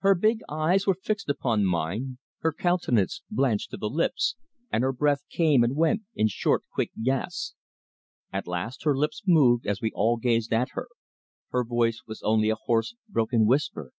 Her big eyes were fixed upon mine, her countenance blanched to the lips, and her breath came and went in short, quick gasps. At last her lips moved, as we all gazed at her. Her voice was only a hoarse, broken whisper.